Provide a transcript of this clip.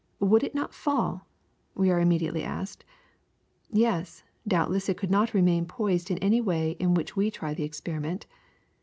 Would it not fall? we are immediately asked. Yes, doubtless it could not remain poised in any way in which we try the experiment.